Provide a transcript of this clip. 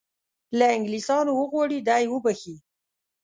له انګلیسیانو وغواړي دی وبخښي.